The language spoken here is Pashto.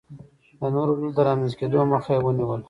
د نورو ډلو د رامنځته کېدو مخه یې ونیوله.